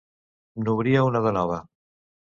N'obria una de nova.